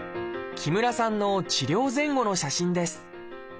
木村さんの治療前後の写真です。